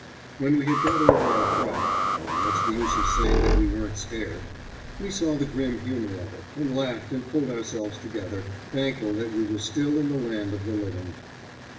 When we had got over our fright and what's the use of saying that we weren't scared? we saw the grim humour of it, and laughed and pulled ourselves together, thankful that we were still in the land of the living.